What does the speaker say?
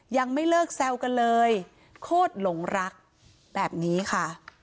ยังไม่เลิกแซวกันเลยโคตรหลงรักแบบนี้ค่ะ